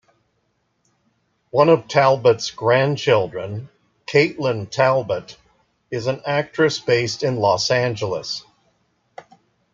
One of Talbot's grandchildren, Caitlin Talbot, is an actress based in Los Angeles.